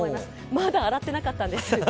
まだ洗ってなかったんです。